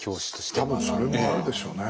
多分それもあるでしょうね。